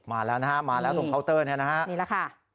มาแล้วนะฮะมาแล้วตรงเคาน์เตอร์เนี่ยนะฮะนี่แหละค่ะ